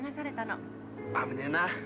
危ねえな。